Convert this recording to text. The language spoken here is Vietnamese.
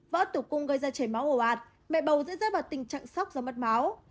vỡ tủ cung gây ra chảy máu ổ ạt mẹ bầu dễ dơ vào tình trạng sốc do mất máu